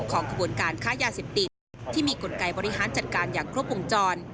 ขบวนการค้ายาเสพติดที่มีกลไกบริหารจัดการอย่างครบวงจร